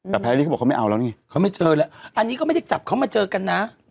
แต่แพรรี่เขาบอกเขาไม่เอาแล้วนี่เขาไม่เจอแล้วอันนี้ก็ไม่ได้จับเขามาเจอกันนะ